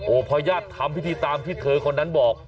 อ่อโอ้พระญาติทำพิธีตามที่เธอคนนั้นบอก